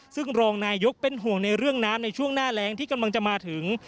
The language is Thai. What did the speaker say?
ซึ่งรองนายกเป็นห่วงในเรื่องน้ำในช่วงหน้าแรงที่กำลังจะมาถึง